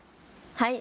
はい。